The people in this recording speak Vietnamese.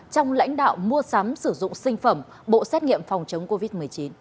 trong lãnh đạo mua sắm sử dụng sinh phẩm bộ xét nghiệm phòng chống covid một mươi chín